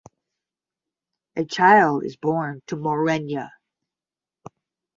A child is born to Morwenna.